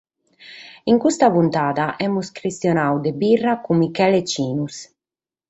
In custa puntada amus chistionadu de birra cun Michele Cinus.